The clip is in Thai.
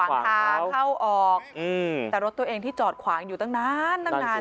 ทางเข้าออกแต่รถตัวเองที่จอดขวางอยู่ตั้งนานตั้งนาน